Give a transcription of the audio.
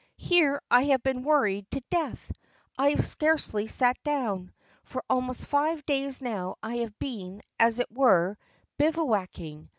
"Here I have been worried to death. I have scarcely sat down. For almost five days now I have been, as it were, bivouacking.